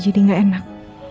jadi enggak enak